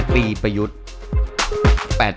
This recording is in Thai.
ปีประยุทธ์